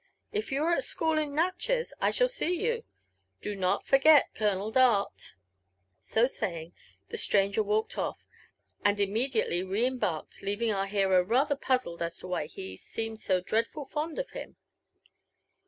If you are at school at Natchez, I shall see you. Do not forget Colonel Dart." So saying, the stranger walked off, and immediately re embarked, leaving our hero rather puzzled as to why he seemed so dreadful fond of him."